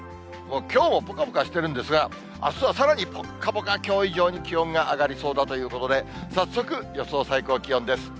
きょうもぽかぽかしてるんですが、あすはさらにぽっかぽか、きょう以上に気温が上がりそうだということで、早速、予想最高気温です。